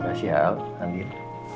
makasih ya al anir